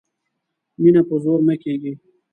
مینه په زور نه کیږي